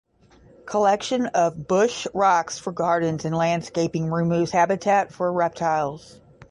Collection of bush rocks for gardens and landscaping removes habitat for reptiles.